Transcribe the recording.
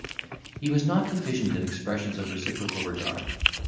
He was not deficient in expressions of reciprocal regard.